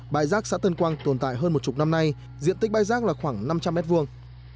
bãi rác xã tân quang tồn tại hơn một chục năm nay diện tích bãi rác là khoảng năm trăm linh mét vuông